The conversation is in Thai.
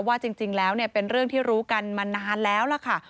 ว่าจริงแล้วเป็นเรื่องที่รู้กันมานานแล้วล่ะค่ะ